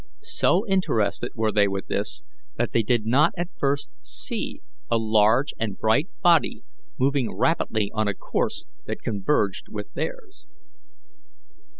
So interested were they with this, that they did not at first see a large and bright body moving rapidly on a course that converged with theirs.